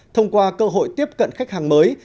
thông qua cơ hội tiếp cận khách hàng mới